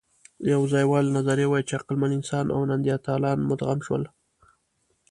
د یوځایوالي نظریه وايي، چې عقلمن انسانان او نیاندرتالان مدغم شول.